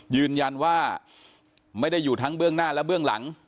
ยืนยันว่าไม่ได้อยู่ทั้งเบื้องหน้าและเบื้องหลัง